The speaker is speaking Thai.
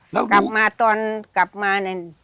กลับมาตอนกลับมา